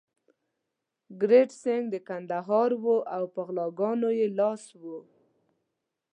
کرت سېنګ د کندهار وو او په غلاګانو يې لاس و.